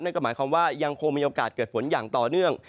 ก็หมายความว่ายังคงมีโอกาสเกิดฝนอย่างต่อเนื่อง